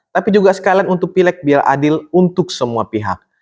tapi juga sekalian untuk pileg biar adil untuk semua pihak